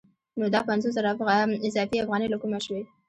نو دا پنځوس زره اضافي افغانۍ له کومه شوې